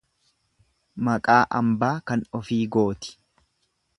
Maqaa ambaa kan ofii gooti.